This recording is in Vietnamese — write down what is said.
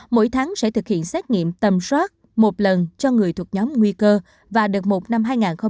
mỗi tháng sẽ thực hiện xét nghiệm tầm soát một lần cho người thuộc nhóm nguy cơ và được mục năm hai nghìn hai mươi hai